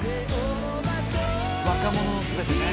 『若者のすべて』ね。